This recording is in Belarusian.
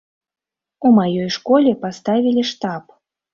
У маёй школе паставілі штаб.